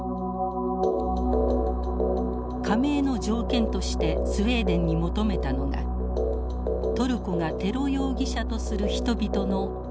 加盟の条件としてスウェーデンに求めたのがトルコがテロ容疑者とする人々の引き渡し。